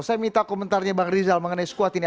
saya minta komentarnya bang rizal mengenai squad ini